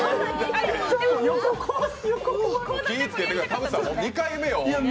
気をつけてください、田渕さん、もう２回目よ。